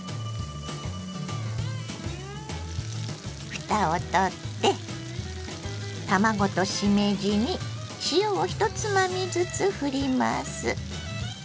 ふたをとって卵としめじに塩を１つまみずつふります。